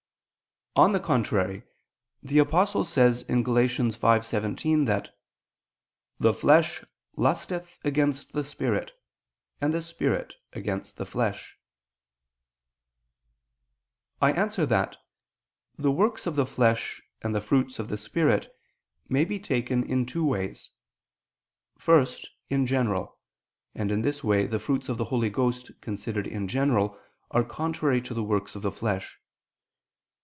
On the contrary, The Apostle says (Gal. 5:17) that "the flesh lusteth against the spirit, and the spirit against the flesh." I answer that, The works of the flesh and the fruits of the Spirit may be taken in two ways. First, in general: and in this way the fruits of the Holy Ghost considered in general are contrary to the works of the flesh.